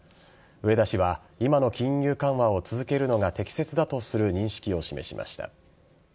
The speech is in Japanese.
植田氏は今の金融緩和を続けるのが適切だとする認識を示しました。